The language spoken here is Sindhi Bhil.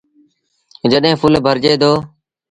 جڏيݩ ڦل ڀرجي دو۔